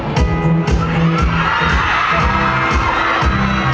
ไม่ต้องถามไม่ต้องถาม